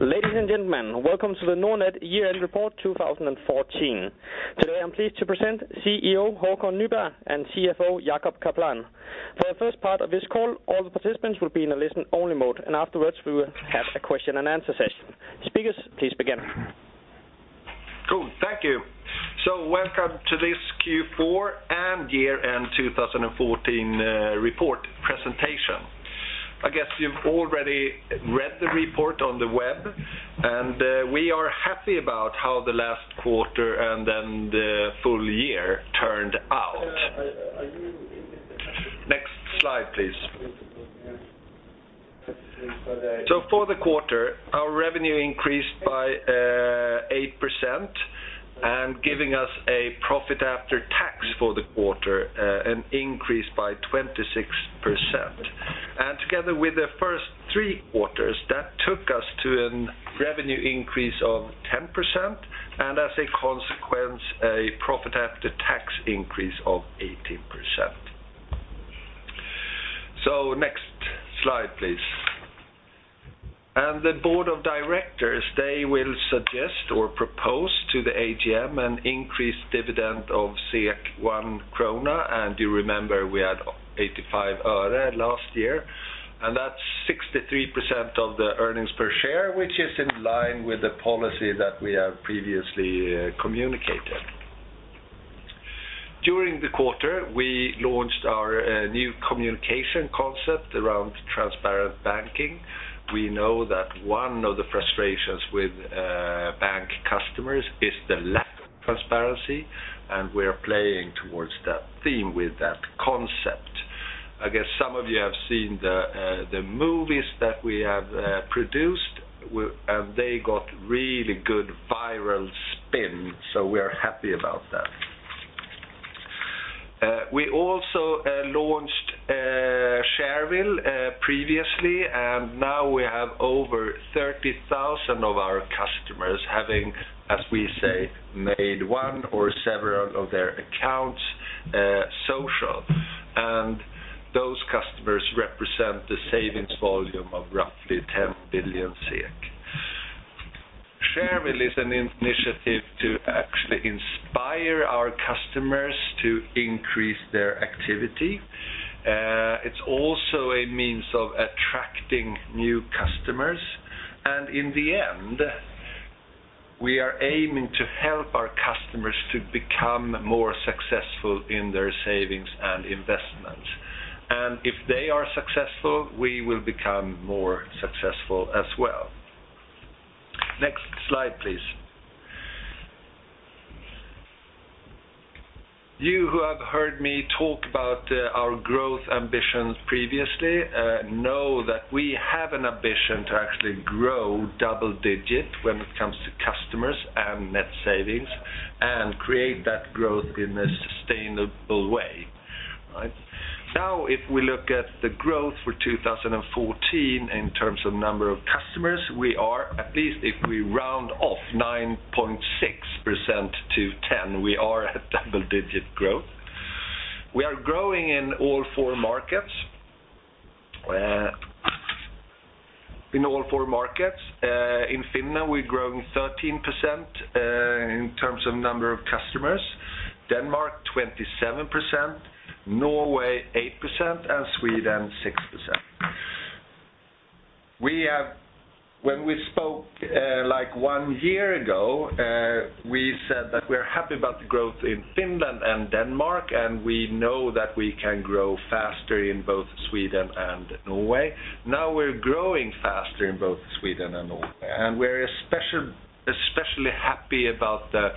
Ladies and gentlemen, welcome to the Nordnet Year End Report 2014. Today I'm pleased to present CEO Håkan Nyberg and CFO Jacob Kaplan. For the first part of this call, all the participants will be in a listen-only mode. Afterwards, we will have a question and answer session. Speakers, please begin. Cool. Thank you. Welcome to this Q4 and year-end 2014 report presentation. I guess you've already read the report on the web, and we are happy about how the last quarter and then the full year turned out. Next slide, please. For the quarter, our revenue increased by 8% and giving us a profit after tax for the quarter, an increase by 26%. Together with the first three quarters, that took us to a revenue increase of 10% and as a consequence, a profit after tax increase of 18%. Next slide, please. The board of directors, they will suggest or propose to the AGM an increased dividend of 1 krona. You remember we had 0.85 last year, and that's 63% of the earnings per share, which is in line with the policy that we have previously communicated. During the quarter, we launched our new communication concept around transparent banking. We know that one of the frustrations with bank customers is the lack of transparency, and we're playing towards that theme with that concept. I guess some of you have seen the movies that we have produced, and they got really good viral spin, so we are happy about that. We also launched Shareville previously. Now we have over 30,000 of our customers having, as we say, made one or several of their accounts social. Those customers represent the savings volume of roughly 10 billion. Shareville is an initiative to actually inspire our customers to increase their activity. It's also a means of attracting new customers. In the end, we are aiming to help our customers to become more successful in their savings and investments. If they are successful, we will become more successful as well. Next slide, please. You who have heard me talk about our growth ambitions previously know that we have an ambition to actually grow double-digit when it comes to customers and net savings and create that growth in a sustainable way. If we look at the growth for 2014 in terms of number of customers, we are at least if we round off 9.6% to 10, we are at double-digit growth. We are growing in all four markets. In all four markets. In Finland, we're growing 13% in terms of number of customers, Denmark 27%, Norway 8%, and Sweden 6%. When we spoke one year ago, we said that we're happy about the growth in Finland and Denmark, and we know that we can grow faster in both Sweden and Norway. Now we're growing faster in both Sweden and Norway, and we're especially happy about the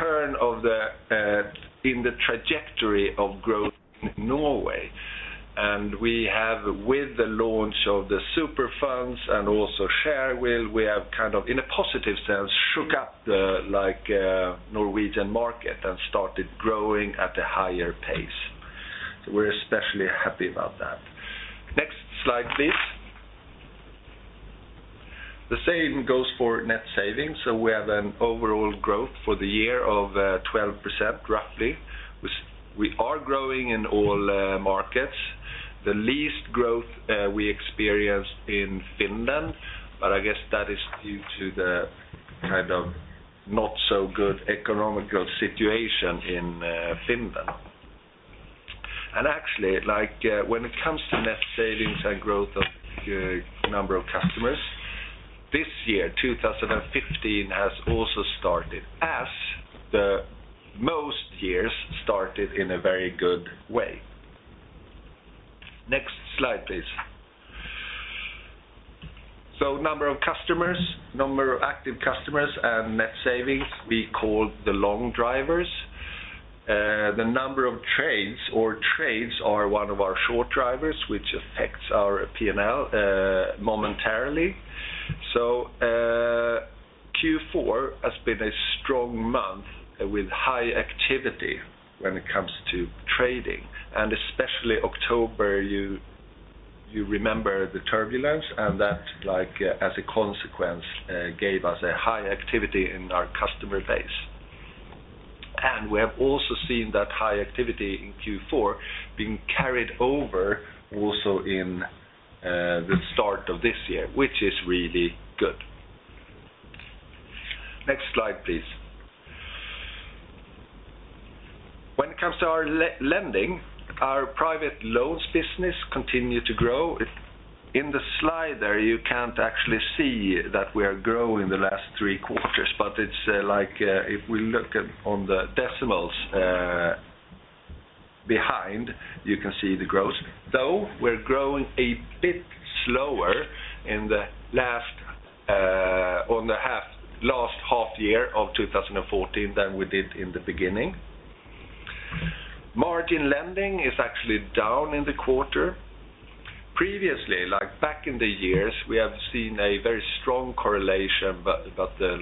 turn in the trajectory of growth in Norway. We have with the launch of the Super Funds and also Shareville, we have kind of in a positive sense, shook up the Norwegian market and started growing at a higher pace. We're especially happy about that. Next slide, please. The same goes for net savings. We have an overall growth for the year of 12% roughly, which we are growing in all markets. The least growth we experienced in Finland, but I guess that is due to the not so good economic situation in Finland. Actually, when it comes to net savings and growth of number of customers, this year, 2015 has also started as the most years started in a very good way. Next slide, please. Number of customers, number of active customers, and net savings, we call the long drivers. The number of trades or trades are one of our short drivers, which affects our P&L momentarily. Q4 has been a strong month with high activity when it comes to trading and especially October you remember the turbulence and that as a consequence gave us a high activity in our customer base. We have also seen that high activity in Q4 being carried over also in the start of this year, which is really good. Next slide, please. When it comes to our lending, our private loans business continue to grow. In the slide there, you can't actually see that we are growing the last three quarters, but if we look at on the decimals behind, you can see the growth. Though we're growing a bit slower on the last half year of 2014 than we did in the beginning. Margin lending is actually down in the quarter. Previously, back in the years, we have seen a very strong correlation, but the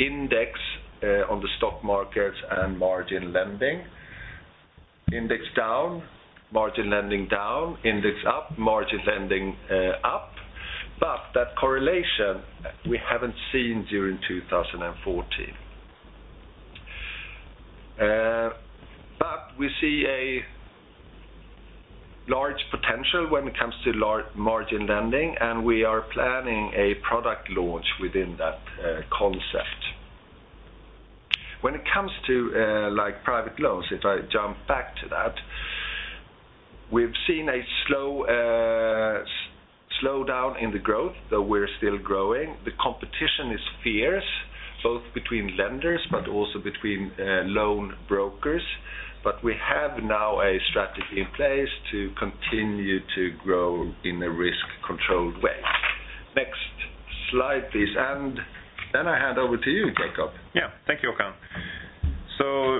index on the stock markets and margin lending. Index down, margin lending down. Index up, margin lending up. That correlation we haven't seen during 2014. We see a large potential when it comes to margin lending, and we are planning a product launch within that concept. When it comes to private loans, if I jump back to that, we've seen a slowdown in the growth, though we're still growing. The competition is fierce, both between lenders but also between loan brokers. We have now a strategy in place to continue to grow in a risk-controlled way. Next slide, please. I hand over to you, Jacob. Yeah. Thank you, Håkan.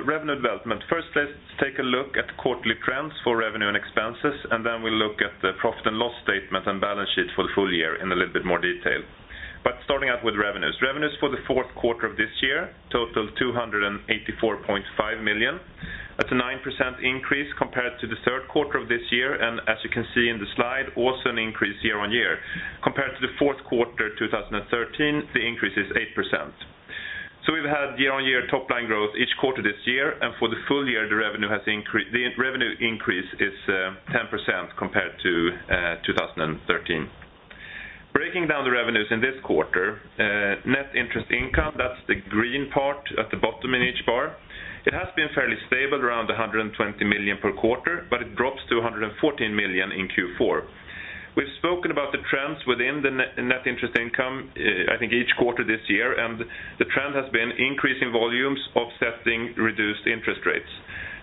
Revenue development. First let's take a look at quarterly trends for revenue and expenses. Then we'll look at the profit and loss statement and balance sheet for the full year in a little bit more detail. Starting out with revenues. Revenues for the fourth quarter of this year total 284.5 million. That's a 9% increase compared to the third quarter of this year. As you can see in the slide, also an increase year-on-year. Compared to the fourth quarter 2013, the increase is 8%. We've had year-on-year top line growth each quarter this year, and for the full year, the revenue increase is 10% compared to 2013. Breaking down the revenues in this quarter, net interest income, that's the green part at the bottom in each bar. It has been fairly stable around 120 million per quarter, but it drops to 114 million in Q4. We've spoken about the trends within the net interest income, I think each quarter this year. The trend has been increasing volumes offsetting reduced interest rates.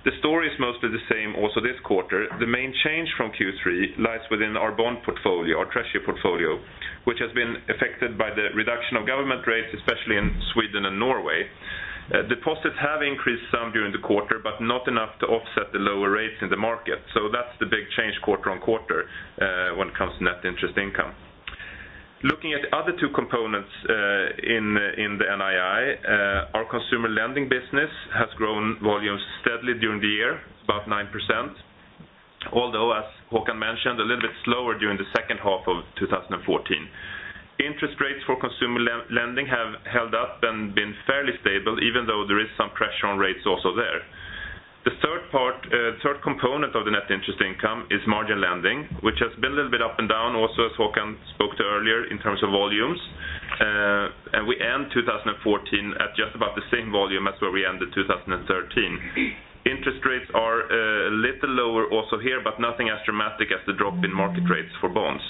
The story is mostly the same also this quarter. The main change from Q3 lies within our bond portfolio, our treasury portfolio, which has been affected by the reduction of government rates, especially in Sweden and Norway. Deposits have increased some during the quarter, but not enough to offset the lower rates in the market. That's the big change quarter-on-quarter when it comes to net interest income. Looking at the other two components in the NII, our consumer lending business has grown volumes steadily during the year, about 9%. Although, as Håkan mentioned, a little bit slower during the second half of 2014. Interest rates for consumer lending have held up and been fairly stable, even though there is some pressure on rates also there. The third component of the net interest income is margin lending, which has been a little bit up and down also as Håkan spoke to earlier in terms of volumes. We end 2014 at just about the same volume as where we ended 2013. Interest rates are a little lower also here, but nothing as dramatic as the drop in market rates for bonds.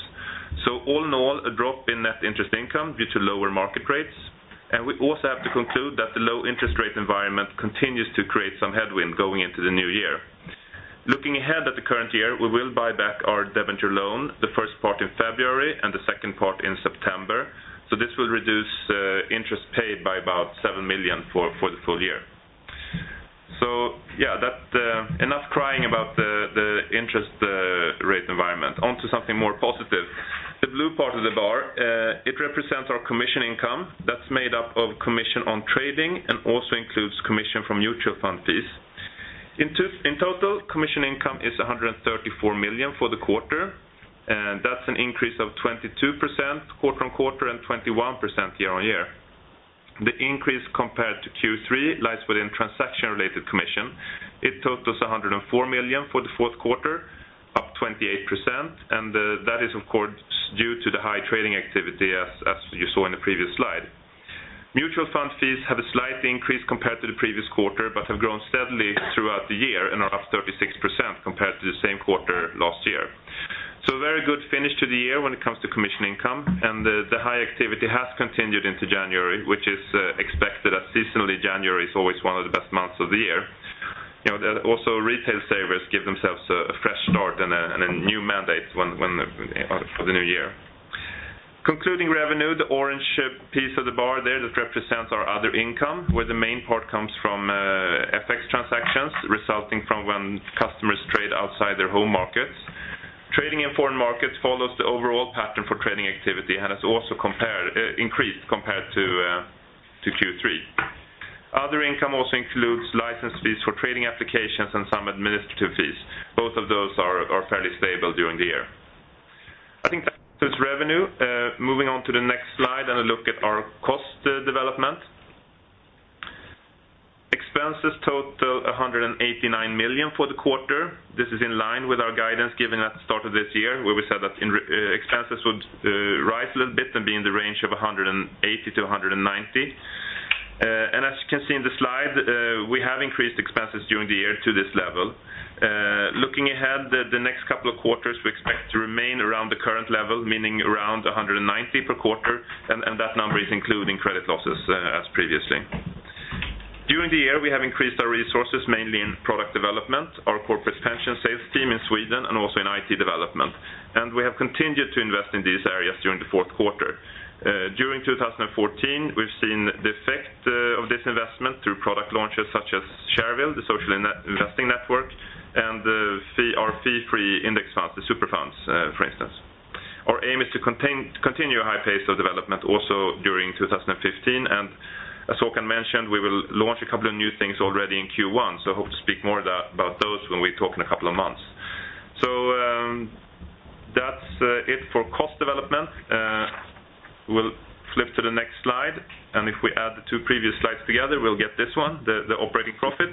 All in all, a drop in net interest income due to lower market rates. We also have to conclude that the low interest rate environment continues to create some headwind going into the new year. Looking ahead at the current year, we will buy back our debenture loan, the first part in February and the second part in September. This will reduce interest paid by about 7 million for the full year. Yeah, enough crying about the interest rate environment. On to something more positive. The blue part of the bar, it represents our commission income. That's made up of commission on trading and also includes commission from mutual fund fees. In total, commission income is 134 million for the quarter. That's an increase of 22% quarter-on-quarter and 21% year-on-year. The increase compared to Q3 lies within transaction-related commission. It totals 104 million for the fourth quarter, up 28%. That is of course due to the high trading activity as you saw in the previous slide. Mutual fund fees have a slight increase compared to the previous quarter, have grown steadily throughout the year and are up 36% compared to the same quarter last year. A very good finish to the year when it comes to commission income, the high activity has continued into January, which is expected as seasonally January is always one of the best months of the year. Retail savers give themselves a fresh start and a new mandate for the new year. Concluding revenue, the orange piece of the bar there, that represents our other income, where the main part comes from FX transactions resulting from when customers trade outside their home markets. Trading in foreign markets follows the overall pattern for trading activity and has also increased compared to Q3. Other income also includes license fees for trading applications and some administrative fees. Both of those During the year. I think that's revenue. Moving on to the next slide and a look at our cost development. Expenses total 189 million for the quarter. This is in line with our guidance given at the start of this year where we said that expenses would rise a little bit and be in the range of 180-190. As you can see in the slide, we have increased expenses during the year to this level. Looking ahead, the next couple of quarters, we expect to remain around the current level, meaning around 190 per quarter, and that number is including credit losses as previously. During the year, we have increased our resources mainly in product development, our corporate pension sales team in Sweden, and also in IT development. We have continued to invest in these areas during the fourth quarter. During 2014, we've seen the effect of this investment through product launches such as Shareville, the social investing network, and our fee-free index funds, the Super Funds, for instance. Our aim is to continue a high pace of development also during 2015, as Håkan mentioned, we will launch a couple of new things already in Q1, hope to speak more about those when we talk in a couple of months. That's it for cost development. We'll flip to the next slide, if we add the two previous slides together, we'll get this one, the operating profit.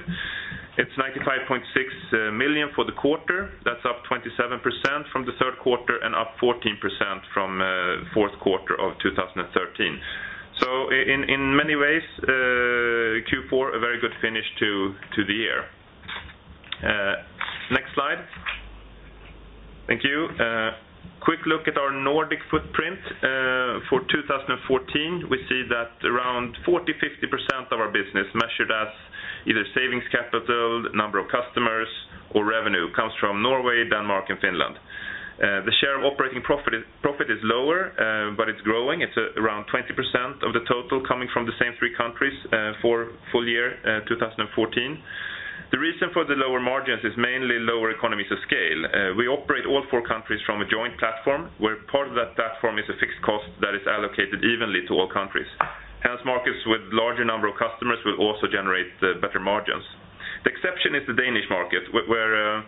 It's 95.6 million for the quarter. That's up 27% from the third quarter and up 14% from fourth quarter of 2013. In many ways, Q4, a very good finish to the year. Next slide. Thank you. A quick look at our Nordic footprint for 2014. We see that around 40%-50% of our business measured as either savings capital, number of customers, or revenue comes from Norway, Denmark, and Finland. The share of operating profit is lower, it's growing. It's around 20% of the total coming from the same three countries for full year 2014. The reason for the lower margins is mainly lower economies of scale. We operate all four countries from a joint platform where part of that platform is a fixed cost that is allocated evenly to all countries. Hence markets with larger number of customers will also generate better margins. The exception is the Danish market where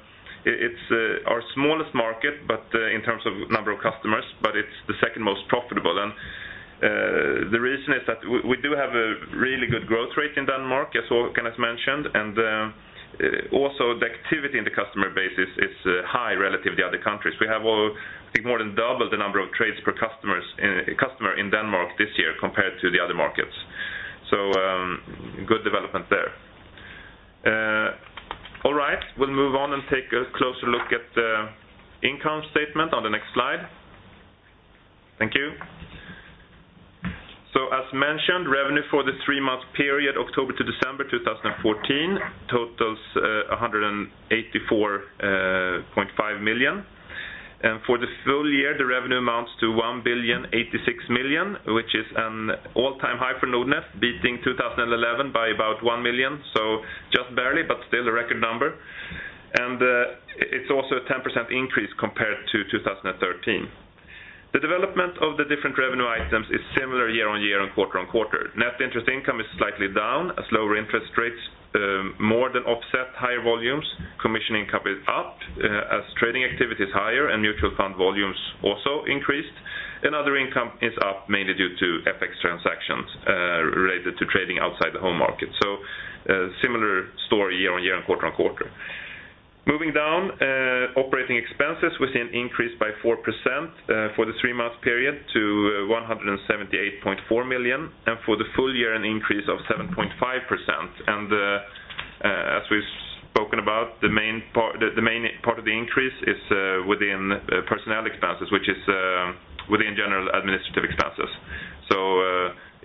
it's our smallest market in terms of number of customers, it's the second most profitable. The reason is that we do have a really good growth rate in Denmark, as Håkan has mentioned, and also the activity in the customer base is high relative to the other countries. We have, I think, more than double the number of trades per customer in Denmark this year compared to the other markets. Good development there. All right. We'll move on and take a closer look at the income statement on the next slide. Thank you. As mentioned, revenue for the three-month period October to December 2014 totals 284.5 million. For the full year, the revenue amounts to 1,086 million, which is an all-time high for Nordnet, beating 2011 by about 1 million. Just barely, but still a record number. It's also a 10% increase compared to 2013. The development of the different revenue items is similar year-over-year and quarter-over-quarter. Net interest income is slightly down as lower interest rates more than offset higher volumes. Commission income is up as trading activity is higher and mutual fund volumes also increased. Other income is up mainly due to FX transactions related to trading outside the home market. A similar story year-over-year and quarter-over-quarter. Moving down, operating expenses, we see an increase by 4% for the three-month period to 178.4 million, and for the full year an increase of 7.5%. As we've spoken about, the main part of the increase is within personnel expenses which is within general administrative expenses.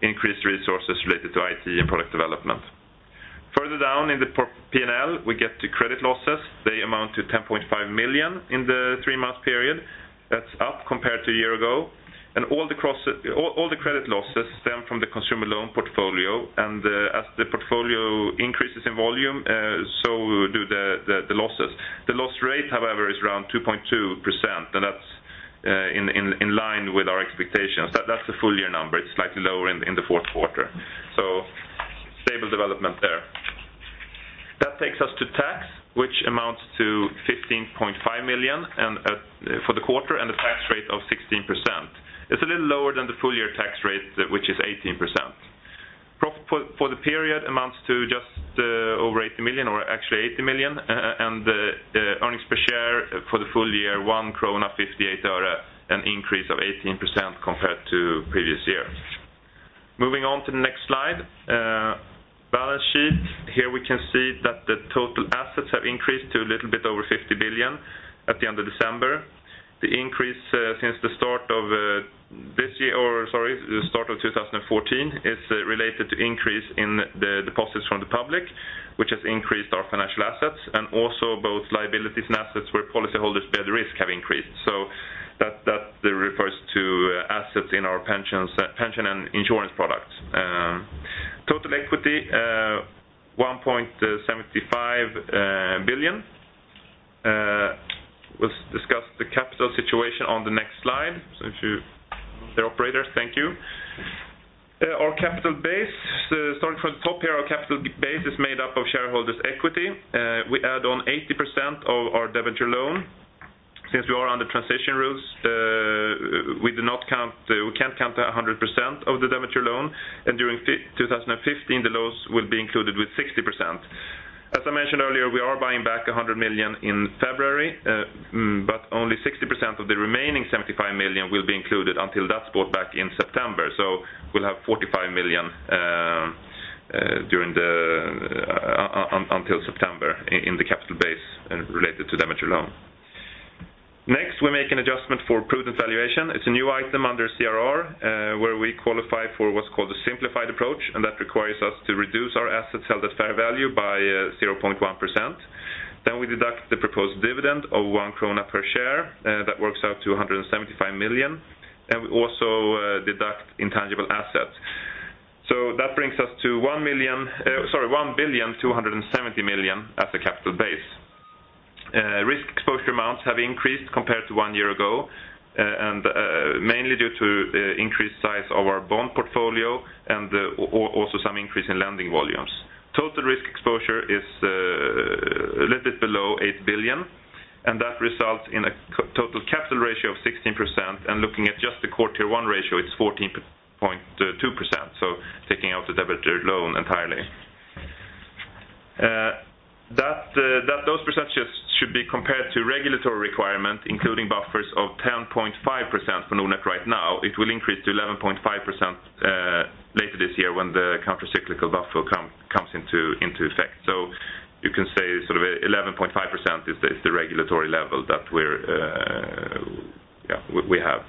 Increased resources related to IT and product development. Further down in the P&L, we get to credit losses. They amount to 10.5 million in the three-month period. That's up compared to a year ago. All the credit losses stem from the consumer loan portfolio and as the portfolio increases in volume, so do the losses. The loss rate however is around 2.2% and that's in line with our expectations. That's the full year number. It's slightly lower in the fourth quarter. Stable development there. That takes us to tax which amounts to 15.5 million for the quarter and a tax rate of 16%. It's a little lower than the full year tax rate which is 18%. Profit for the period amounts to just over 80 million or actually 80 million and earnings per share for the full year, 1.58 krona, an increase of 18% compared to previous year. Moving on to the next slide. Balance sheet. Here we can see that the total assets have increased to a little bit over 50 billion at the end of December. The increase since the start of 2014 is related to increase in the deposits from the public which has increased our financial assets and also both liabilities and assets where policy holders bear the risk have increased. That refers to assets in our pension and insurance products. Total equity, 1.75 billion. We'll discuss the capital situation on the next slide. If you The operators, thank you Our capital base, starting from the top here, our capital base is made up of shareholders' equity. We add on 80% of our debenture loan. Since we are under transition rules, we can't count 100% of the debenture loan, and during 2015, the loans will be included with 60%. As I mentioned earlier, we are buying back 100 million in February, but only 60% of the remaining 75 million will be included until that is bought back in September. We will have 45 million until September in the capital base related to debenture loan. We make an adjustment for prudent valuation. It is a new item under CRR, where we qualify for what is called the simplified approach, and that requires us to reduce our assets held at fair value by 0.1%. We deduct the proposed dividend of 1 krona per share. That works out to 175 million. We also deduct intangible assets. That brings us to 1,270 million as the capital base. Risk exposure amounts have increased compared to one year ago, and mainly due to increased size of our bond portfolio and also some increase in lending volumes. Total risk exposure is a little bit below 8 billion, and that results in a total capital ratio of 16%. Looking at just the Q1 ratio, it is 14.2%, taking out the debenture loan entirely. Those percentages should be compared to regulatory requirement, including buffers of 10.5% for Nordnet right now. It will increase to 11.5% later this year when the countercyclical buffer comes into effect. You can say 11.5% is the regulatory level that we have.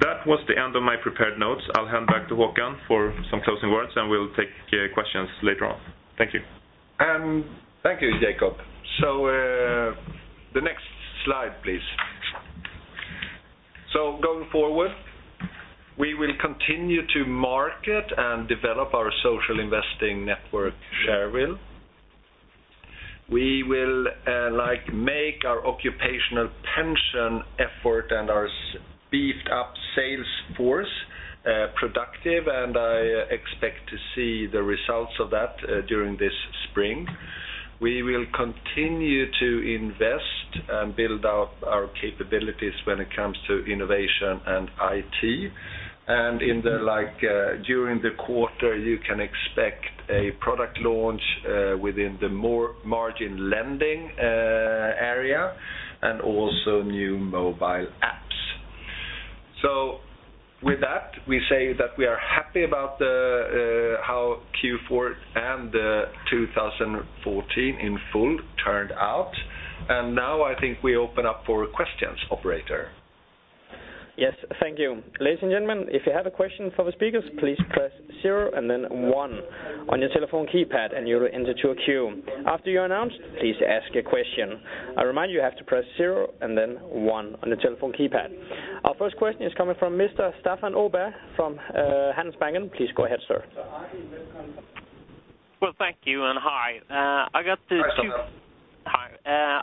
That was the end of my prepared notes. I will hand back to Håkan for some closing words, and we will take questions later on. Thank you. Thank you, Jacob. The next slide, please. Going forward, we will continue to market and develop our social investing network, Shareville. We will make our occupational pension effort and our beefed up sales force productive, and I expect to see the results of that during this spring. We will continue to invest and build out our capabilities when it comes to innovation and IT. During the quarter, you can expect a product launch within the margin lending area and also new mobile apps. With that, we say that we are happy about how Q4 and 2014 in full turned out. Now I think we open up for questions, operator. Yes, thank you. Ladies and gentlemen, if you have a question for the speakers, please press zero and then one on your telephone keypad and you will enter to a queue. After you are announced, please ask a question. I remind you have to press zero and then one on the telephone keypad. Our first question is coming from Mr. Staffan Åberg from Handelsbanken. Please go ahead, sir. Well, thank you, and hi. Hi, Staffan. Hi.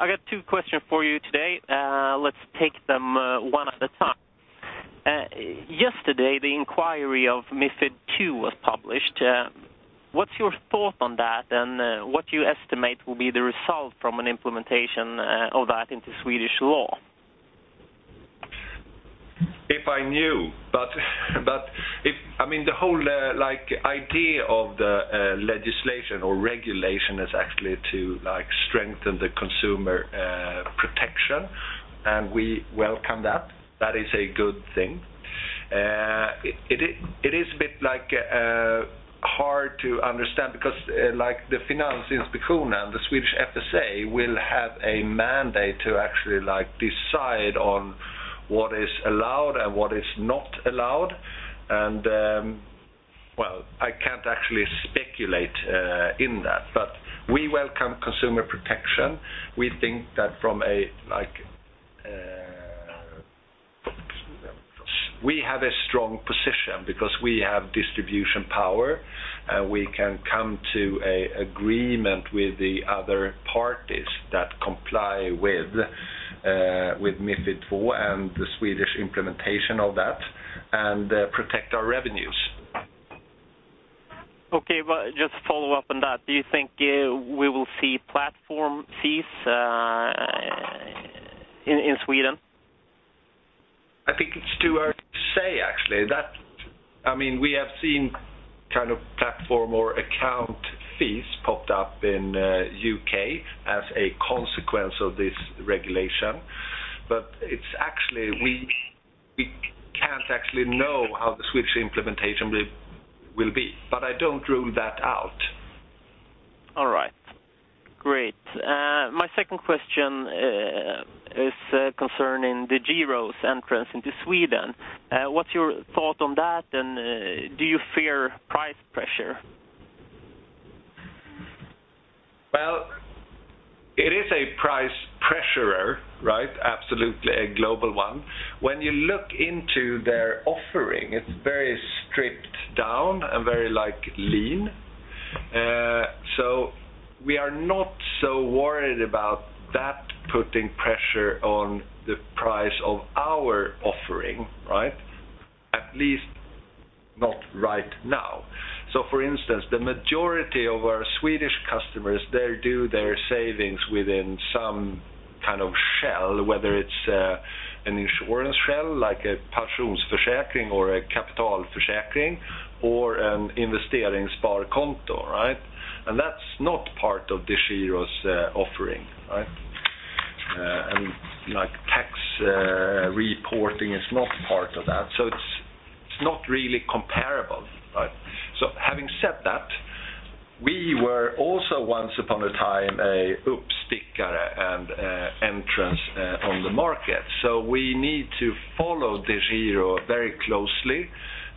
I got two questions for you today. Let's take them one at a time. Yesterday, the inquiry of MiFID II was published. What's your thought on that, and what do you estimate will be the result from an implementation of that into Swedish law? If I knew. The whole idea of the legislation or regulation is actually to strengthen the consumer protection, and we welcome that. That is a good thing. It is a bit hard to understand because the Finansinspektionen, the Swedish FSA, will have a mandate to actually decide on what is allowed and what is not allowed. Well, I can't actually speculate in that, but we welcome consumer protection. We think that we have a strong position because we have distribution power, and we can come to an agreement with the other parties that comply with MiFID II and the Swedish implementation of that and protect our revenues. Okay. Just follow up on that. Do you think we will see platform fees in Sweden? I think it's too early to say, actually. We have seen platform or account fees popped up in U.K. as a consequence of this regulation, we can't actually know how the Swedish implementation will be. I don't rule that out. All right. Great. My second question is concerning the DeGiro entrance into Sweden. What's your thought on that, do you fear price pressure? Well, it is a price pressurer, right? Absolutely. A global one. When you look into their offering, it's very stripped down and very lean. We are not so worried about that putting pressure on the price of our offering. At least not right now. For instance, the majority of our Swedish customers, they do their savings within some kind of shell, whether it's an insurance shell, like a pensionsförsäkring or a kapitalförsäkring, or an investeringssparkonto. That's not part of the DeGiro's offering. Tax reporting is not part of that. It's not really comparable. Having said that, we were also once upon a time a uppstickare and entrants on the market. We need to follow DeGiro very closely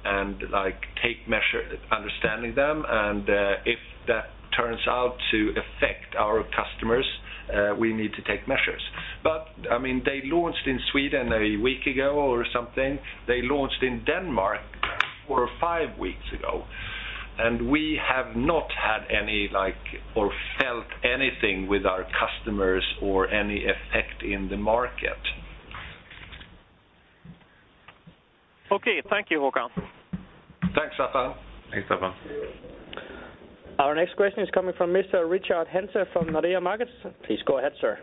and take measure understanding them, if that turns out to affect our customers, we need to take measures. They launched in Sweden a week ago or something. They launched in Denmark four or five weeks ago, and we have not had any or felt anything with our customers or any effect in the market. Okay. Thank you, Håkan. Thanks, Staffan. Thanks, Staffan. Our next question is coming from Mr. Rickard Henze from Nordea Markets. Please go ahead, sir.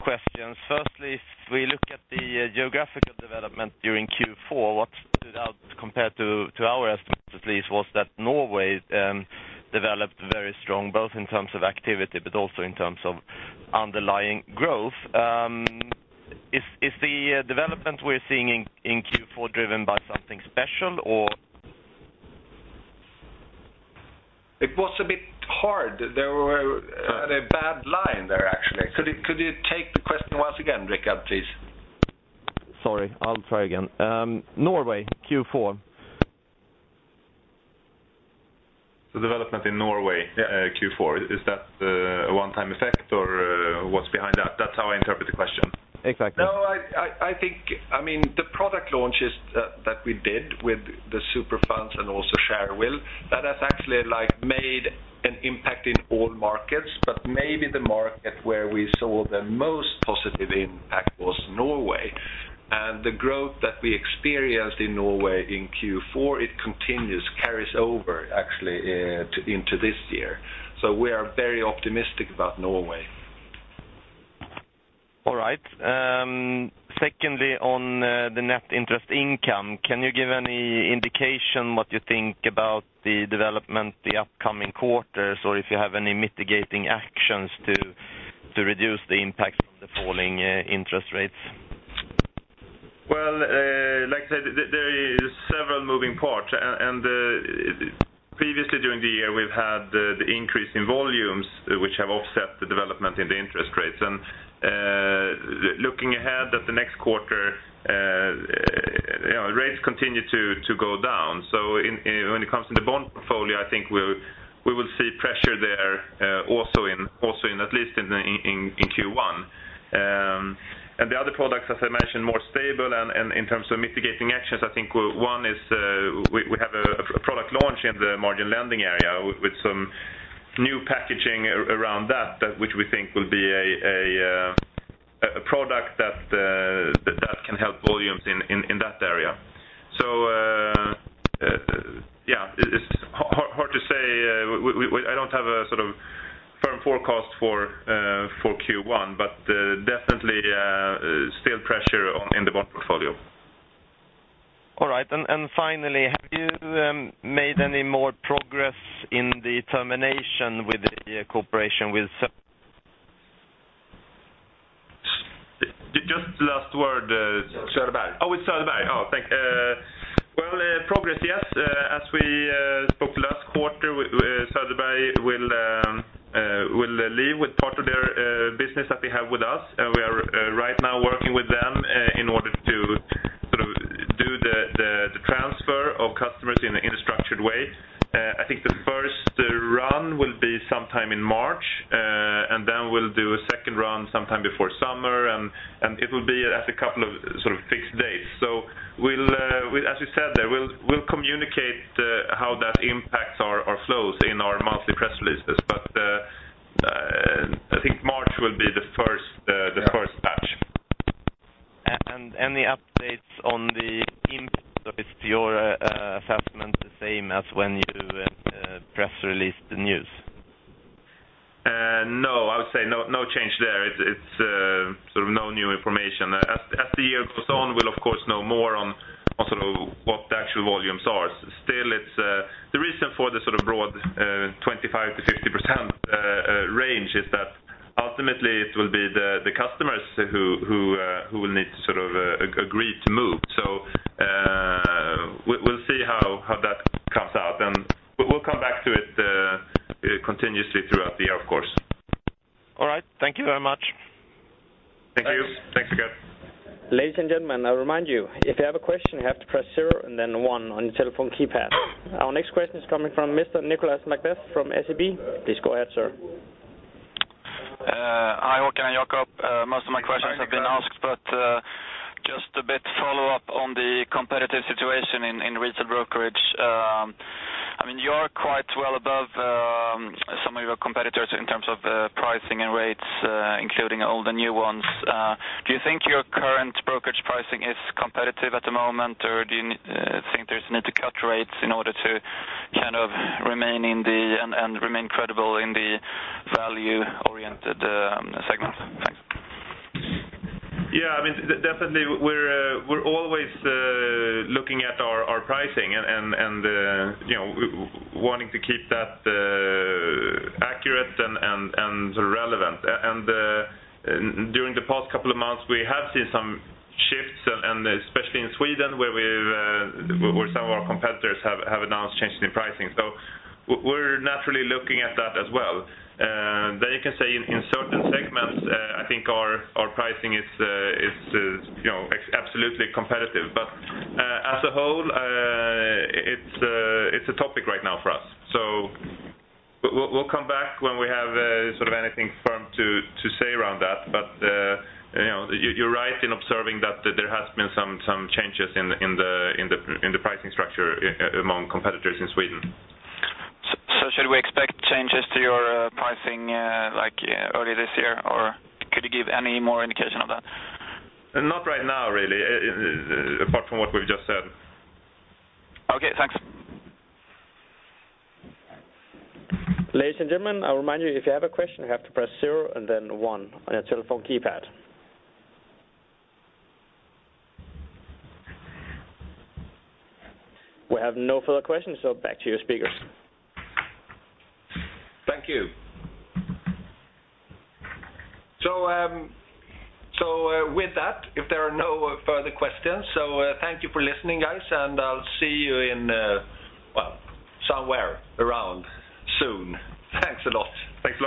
Questions. Firstly, if we look at the geographical development during Q4, what stood out compared to our estimates at least was that Norway developed very strong, both in terms of activity but also in terms of underlying growth. Is the development we're seeing in Q4 driven by something special or? It was a bit hard. Sorry. A bad line there actually. Could you take the question once again, Rickard, please? Sorry. I'll try again. Norway Q4. The development in Norway. Yeah. Q4. Is that a one-time effect or what's behind that? That's how I interpret the question. Exactly. No, the product launches that we did with the Super Funds and also Shareville, that has actually made an impact in all markets, but maybe the market where we saw the most positive impact was Norway. The growth that we experienced in Norway in Q4, it continues, carries over actually into this year. We are very optimistic about Norway. All right. Secondly, on the net interest income, can you give any indication what you think about the development the upcoming quarters, or if you have any mitigating actions to reduce the impact from the falling interest rates? Well, like I said, there is several moving parts. Previously during the year, we've had the increase in volumes which have offset the development in the interest rates. Looking ahead at the next quarter, rates continue to go down. When it comes to the bond portfolio, I think we will see pressure there also at least in Q1. The other products, as I mentioned, more stable. In terms of mitigating actions, I think one is we have a product launch in the margin lending area with some new packaging around that which we think will be a product that can help volumes in that area. It's hard to say. I don't have a firm forecast for Q1, definitely still pressure in the bond portfolio. All right. Finally, have you made any more progress in the termination with the cooperation with Söderberg? Just last word. Sörberg. Oh, with Söderberg. Oh, thank you. Well, progress, yes. As we spoke last quarter, Söderberg will leave with part of their business that they have with us. We are right now working with them in order to do the transfer of customers in a structured way. I think the first run will be sometime in March, then we'll do a second run sometime before summer, and it will be at a couple of fixed dates. As we said there, we'll communicate how that impacts our flows in our monthly press releases. I think March will be the first batch. Any updates on the impact or if your assessment the same as when you press released the news? No, I would say no change there. It's no new information. As the year goes on, we'll of course know more on what the actual volumes are. Still, the reason for the broad 25%-50% range is that ultimately it will be the customers who will need to agree to move. We'll see how that comes out, and we'll come back to it continuously throughout the year, of course. All right. Thank you very much. Thank you. Thanks. Thanks again. Ladies and gentlemen, I remind you, if you have a question, you have to press zero and then one on your telephone keypad. Our next question is coming from Mr. Nicolas McBeath from SEB. Please go ahead, sir. Hi, Håkan and Jacob. Most of my questions have been asked, but On the competitive situation in retail brokerage. You are quite well above some of your competitors in terms of pricing and rates, including all the new ones. Do you think your current brokerage pricing is competitive at the moment, or do you think there's a need to cut rates in order to remain credible in the value-oriented segment? Thanks. Yes, definitely we're always looking at our pricing and wanting to keep that accurate and relevant. During the past couple of months, we have seen some shifts, and especially in Sweden, where some of our competitors have announced changes in pricing. We're naturally looking at that as well. There you can say in certain segments, I think our pricing is absolutely competitive. As a whole, it's a topic right now for us. We'll come back when we have anything firm to say around that. You're right in observing that there has been some changes in the pricing structure among competitors in Sweden. Should we expect changes to your pricing early this year, or could you give any more indication of that? Not right now, really, apart from what we've just said. Okay, thanks. Ladies and gentlemen, I'll remind you, if you have a question, you have to press zero and then one on your telephone keypad. We have no further questions, back to your speakers. Thank you. With that, if there are no further questions, thank you for listening, guys, and I'll see you somewhere around soon. Thanks a lot. Thanks, Lukas.